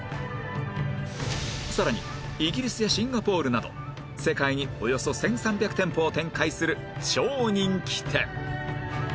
さらにイギリスやシンガポールなど世界におよそ１３００店舗を展開する超人気店